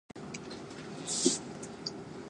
Jesus, a barefoot peasant, is played by Enrique Irazoqui.